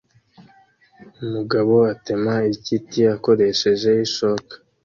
Umugabo atema igiti akoresheje ishoka